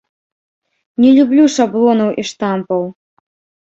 Не люблю шаблонаў і штампаў.